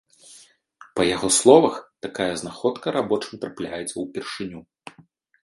Па яго словах, такая знаходка рабочым трапляецца ўпершыню.